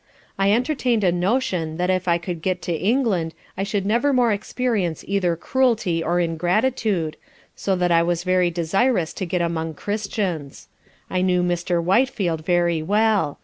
I entertain'd a notion that if I could get to England I should never more experience either cruelty or ingratitude, so that I was very desirous to get among Christians. I knew Mr. Whitefield very well.